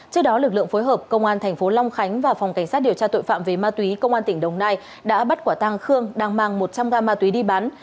trước đó lực lượng phối hợp công an thành phố long khánh và phòng cảnh sát điều tra tội phạm về ma túy công an tỉnh đồng nai đã bắt quả tăng khương đang mang một trăm linh gam ma túy đi bán